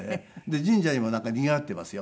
神社にもなんかにぎわっていますよ。